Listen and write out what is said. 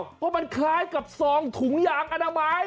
ว่ามันคล้ายกับสองถุงยางอาณาบัง